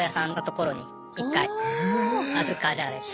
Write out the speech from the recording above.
預かられて。